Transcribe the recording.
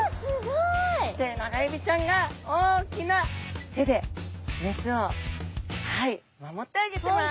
テナガエビちゃんが大きな手で雌を守ってあげてます！